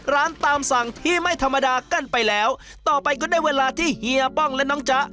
ตามสั่งที่ไม่ธรรมดากันไปแล้วต่อไปก็ได้เวลาที่เฮียป้องและน้องจ๊ะ